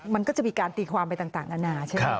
มันก็จะมีการตีความไปต่างอาณาใช่ไหม